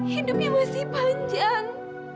hidupnya masih panjang